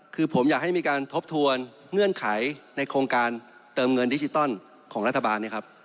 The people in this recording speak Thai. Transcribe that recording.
คือผมอยากให้มีการทบทวนเงื่อนไขในโครงการเติมเงินดิจิตอลของรัฐบาลเนี่ยครับ